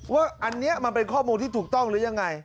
ว่าอันนี้มันเป็นข้อมูลที่ถูกต้องหรือยังไง